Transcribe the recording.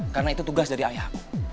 karena itu tugas dari ayah aku